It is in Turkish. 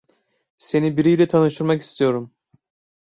Seni biriyle tanıştırmak istiyorum.